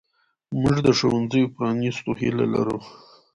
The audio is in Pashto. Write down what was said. موږ د ښوونځیو پرانیستو هیله لرو.